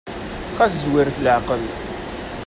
Xas zwiret leɛqel.